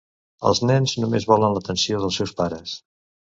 Els nens només volen l'atenció dels seus pares.